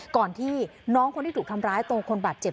ก่อนที่น้องคนที่ถูกทำร้ายตัวคนบาดเจ็บ